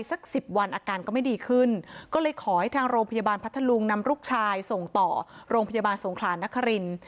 สักสิบวันอาการก็ไม่ดีขึ้นก็เลยขอให้ทางโรงพยาบาลพัทธลุงนำลูกชายส่งต่อโรงพยาบาลสงขลานนคริน